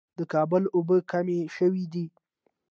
د کابل اوبه کمې شوې دي